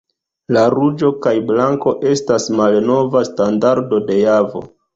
La ruĝo kaj blanko estas malnova standardo de Javo.